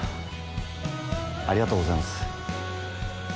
ありがとうございます。